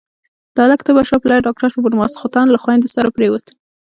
د هلک تبه شوه، پلار يې ډاکټر ته بوت، ماسختن له خويندو سره پرېووت.